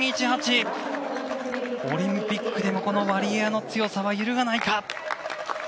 オリンピックでもワリエワの強さは揺るがないか。